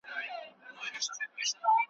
ځان تر ټول جهان لایق ورته ښکاریږي `